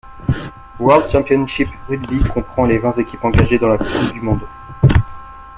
World Championship Rugby comprend les vingt équipes engagées dans la Coupe du monde.